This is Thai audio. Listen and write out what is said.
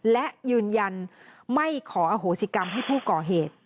และยืนยันไม่ขออโหสิกรรมให้ผู้ก่อเหตุ